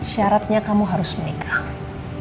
syaratnya kamu harus menikah